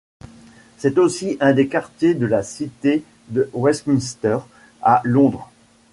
C'est aussi un des quartiers de la Cité de Westminster à Londres.